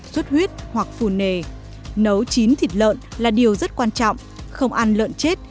suất huyết hoặc phù nề nấu chín thịt lợn là điều rất quan trọng không ăn lợn chết